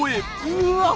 うわっ！